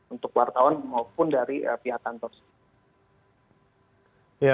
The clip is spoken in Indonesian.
untuk wartawan maupun dari pihak kantor sendiri